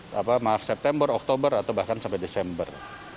poinnya yang berikutnya bisa di september oktober atau bahkan sampai desember